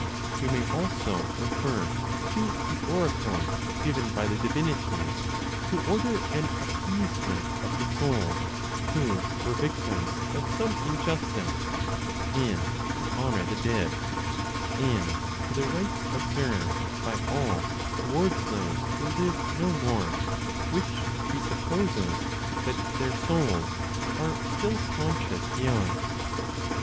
We may also refer to the oracles given by the divinities who order an appeasement of the souls who were victims of some injustice, and to honor the dead, and to the rites observed by all towards those who live no more; which presupposes that their souls are still conscious beyond.